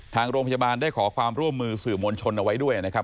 ทางโรงพยาบาลได้ขอความร่วมมือสื่อมวลชนเอาไว้ด้วยนะครับ